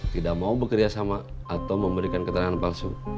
tidak mau bekerja sama atau memberikan keterangan palsu